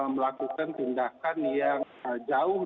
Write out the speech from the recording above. melakukan tindakan yang jauh